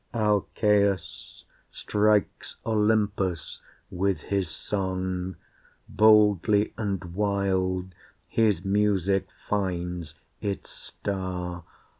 Alcæus strikes Olympus with his song, Boldly and wild his music finds its star.